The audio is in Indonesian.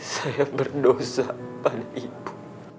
saya berdosa pada ibu